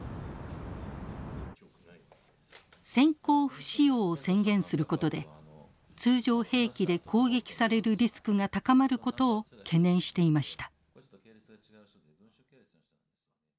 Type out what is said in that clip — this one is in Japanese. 先行不使用を宣言することで通常兵器で攻撃されるリスクが高まることを懸念していました。